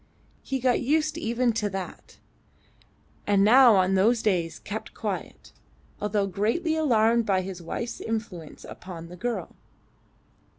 He got used even to that, and on those days kept quiet, although greatly alarmed by his wife's influence upon the girl.